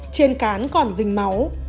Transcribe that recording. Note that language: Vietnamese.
trên cán còn dình máu